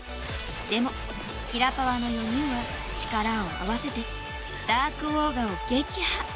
でもキラパワの４人は力を合わせてダークオーガを撃破！